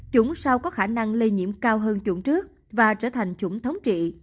chủng sau có khả năng lây nhiễm cao hơn chuẩn trước và trở thành chủng thống trị